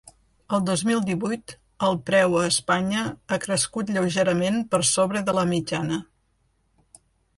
El dos mil divuit, el preu a Espanya ha crescut lleugerament per sobre de la mitjana.